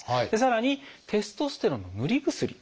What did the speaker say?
さらに「テストステロンの塗り薬」。